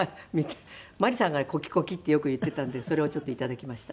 まりさんが「コキコキ」ってよく言っていたんでそれをちょっと頂きました。